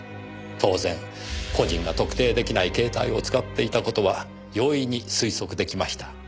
当然個人が特定出来ない携帯を使っていた事は容易に推測出来ました。